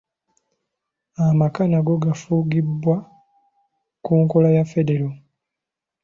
Amaka nago gafugibwa ku nkola ya Federo